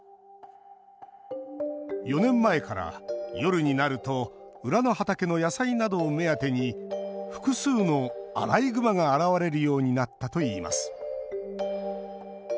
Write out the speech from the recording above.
４年前から、夜になると裏の畑の野菜などを目当てに複数のアライグマが現れるようになったといいます。